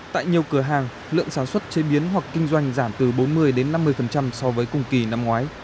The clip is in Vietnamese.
tại nhiều cửa hàng lượng sản xuất chế biến hoặc kinh doanh giảm từ bốn mươi năm mươi so với cùng kỳ năm ngoái